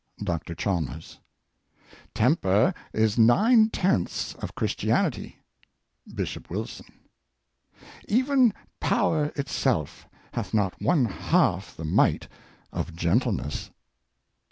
— Dr Chalmers. " Temper is nine tenths of Christianity." — Bishop Wilson. " Even Power itself hath not one half the might of gentleness."